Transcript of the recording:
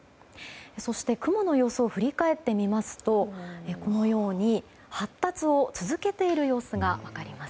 そして雲の様子を振り返ってみますと発達を続けている様子が分かります。